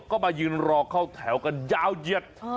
ก็มายืนรอเข้าแถวกันยาวเหยียด